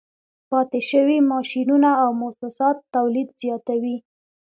پاتې شوي ماشینونه او موسسات تولید زیاتوي